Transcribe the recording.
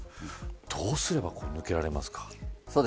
どうすれば抜けられますか。